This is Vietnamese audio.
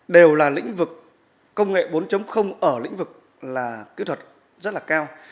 đều là lĩnh vực công nghệ bốn ở lĩnh vực là kỹ thuật rất là cao